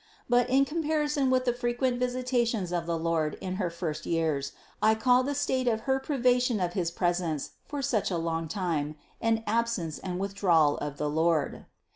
But in comparison with the frequent visita tions of the Lord in her first years, I call the state of her privation of his presence for such a long time, an absence and withdrawal of the Lord.